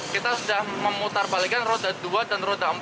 kita sudah memutar balikan roda dua dan roda empat